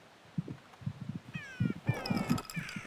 曾一度成为龙造寺隆信次男江上家种的养子。